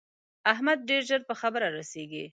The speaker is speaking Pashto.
احمد ډېر ژر په خبره رسېږي.